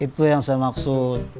itu yang saya maksud